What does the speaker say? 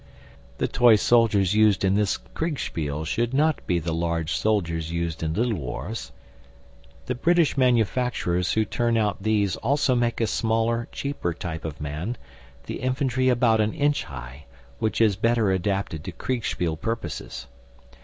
The toy soldiers used in this Kriegspiel should not be the large soldiers used in Little Wars. The British manufacturers who turn out these also make a smaller, cheaper type of man the infantry about an inch high which is better adapted to Kriegspiel purposes.